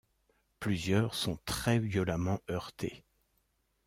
Plusieurs sont très violemment heurtés.